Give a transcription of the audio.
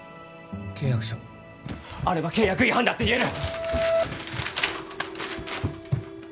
契約書あれば契約違反だって言える！